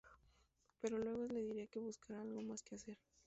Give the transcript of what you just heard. Pero luego le diría que buscara algo más que hacer.